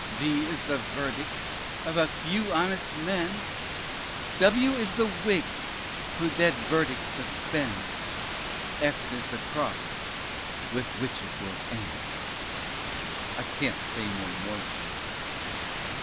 V is the Verdict of a few honest men, W is the Whigs, who'd that verdict suspend, X is the cross with which it will end. I can't say any more, sir.